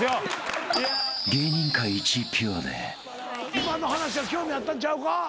今の話は興味あったんちゃうか？